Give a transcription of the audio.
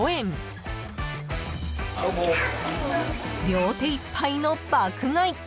［両手いっぱいの爆買い！